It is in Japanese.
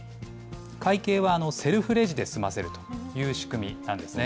会計はセルフレジで済ませるという仕組みなんですね。